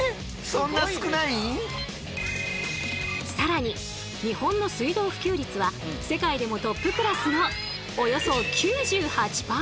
更に日本の水道普及率は世界でもトップクラスのおよそ９８％。